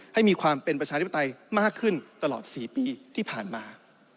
ให้มีความเป็นประชาธิปไตยมากขึ้นตลอด๔ปีที่ผ่านมา